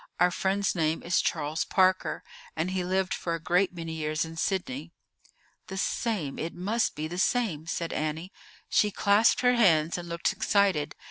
"Our friend's name is Charles Parker, and he lived for a great many years in Sydney." "The same; it must be the same," said Annie. She clasped her hands and looked excited.